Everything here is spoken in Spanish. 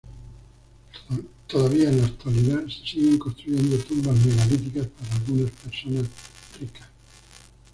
Todavía en la actualidad se siguen construyendo tumbas megalíticas para algunas personas ricas.